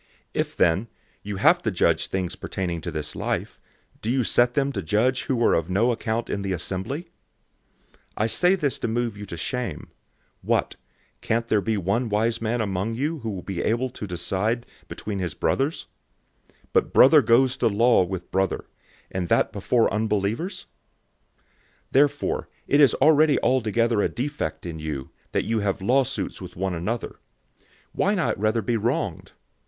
006:004 If then, you have to judge things pertaining to this life, do you set them to judge who are of no account in the assembly? 006:005 I say this to move you to shame. Isn't there even one wise man among you who would be able to decide between his brothers? 006:006 But brother goes to law with brother, and that before unbelievers! 006:007 Therefore it is already altogether a defect in you, that you have lawsuits one with another. Why not rather be wronged?